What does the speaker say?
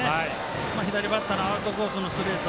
左バッターのアウトコースのストレート。